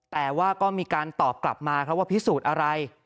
แต่ว่าก็มีการตอบกลับมาครับว่าพิสูจน์อะไร